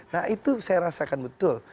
nah itu saya rasakan betul